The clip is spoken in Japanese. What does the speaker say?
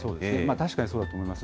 確かにそうだと思います。